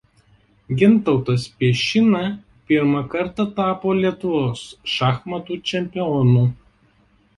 Gintautas Piešina pirmą kartą tapo Lietuvos šachmatų čempionu.